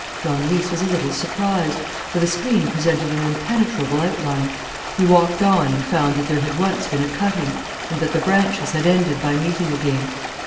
Don Luis was a little surprised, for the screen presented an impenetrable outline. He walked on and found that there had once been a cutting, and that the branches had ended by meeting again.